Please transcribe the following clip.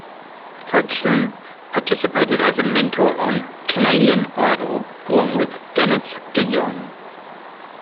Hodgson participated as a mentor on "Canadian Idol" along with Dennis DeYoung.